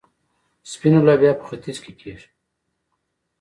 سپینه لوبیا په ختیځ کې کیږي.